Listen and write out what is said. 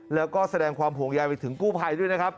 แล้วก็แสดงความห่วงใยไปถึงกู้ภัยด้วยนะครับ